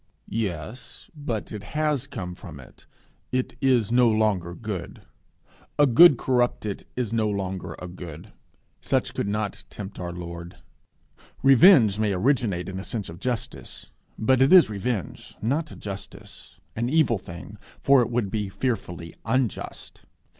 Yes; but it has come from it. It is no longer good. A good corrupted is no longer a good. Such could not tempt our Lord. Revenge may originate in a sense of justice, but it is revenge not justice; an evil thing, for it would be fearfully unjust.